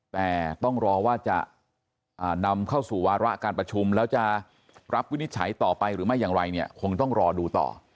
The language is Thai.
แต่ต้องรอว่าจะนำเข้าสู่วาระการประชุมแล้วจะรับวินิจฉัยต่อไปหรือไม่อย่างไรเนี่ยคงต้องรอดูต่อ